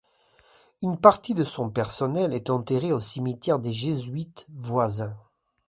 Une partie de son personnel est enterré au cimetière des Jésuites voisin.